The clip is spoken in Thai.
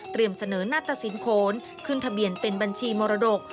เสนอหน้าตะสินโขนขึ้นทะเบียนเป็นบัญชีมรดก